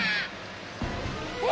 えっ？